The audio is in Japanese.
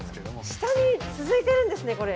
下に続いてるんですねこれ。